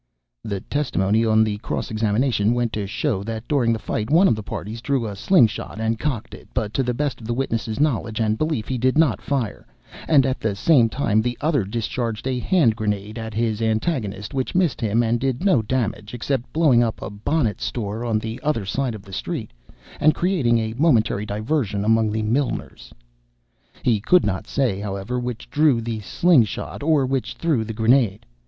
(The testimony on the cross examination went to show that during the fight, one of the parties drew a slung shot and cocked it, but to the best of the witness' knowledge and belief, he did not fire; and at the same time, the other discharged a hand grenade at his antagonist, which missed him and did no damage, except blowing up a bonnet store on the other side of the street, and creating a momentary diversion among the milliners.) He could not say, however, which drew the slung shot or which threw the grenade.